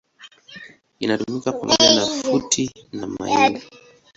Inatumika pamoja na futi na maili.